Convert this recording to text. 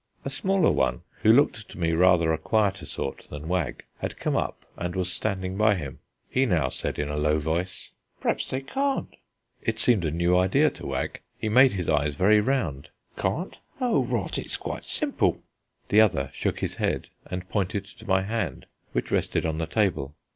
A smaller one, who looked to me rather a quieter sort than Wag, had come up and was standing by him: he now said in a low voice: "P'raps they can't." It seemed a new idea to Wag: he made his eyes very round. "Can't? Oh, rot! it's quite simple." The other shook his head and pointed to my hand which rested on the table.